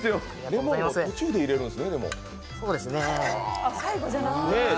レモンを途中で入れるんですね。